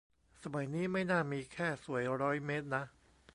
สมัยนี้ไม่น่ามีแค่สวยร้อยเมตรนะ